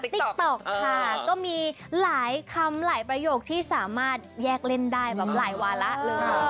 ติ๊กต๊อกค่ะก็มีหลายคำหลายประโยคที่สามารถแยกเล่นได้แบบหลายวาระเลย